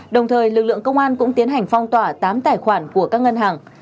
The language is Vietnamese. đồng thời lực lượng công an cũng tiến hành phong tỏa tám tài khoản của các ngân hàng